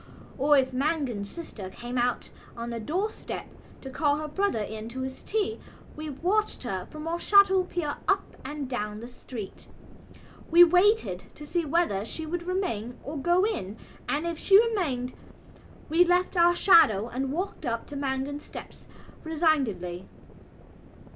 Or if Mangan's sister came out on the doorstep to call her brother in to his tea we watched her from our shadow peer up and down the street. We waited to see whether she would remain or go in and, if she remained, we left our shadow and walked up to Mangan's steps resignedly.